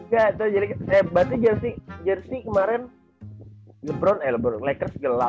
gak tau jeliknya eh berarti jersey kemarin lebron eh lebron lakers gelap